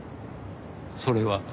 それは？